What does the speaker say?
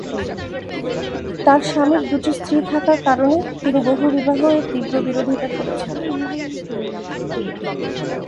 তার স্বামীর দুটি স্ত্রী থাকার কারণে তিনি বহুবিবাহ এর তীব্র বিরোধিতা করেছিলেন।